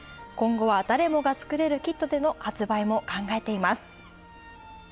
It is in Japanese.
今後は誰もが作れるキットでの発売も考えています。